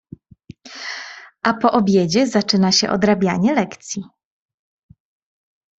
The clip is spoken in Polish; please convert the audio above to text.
A po obiedzie zaczyna się odrabianie lekcji.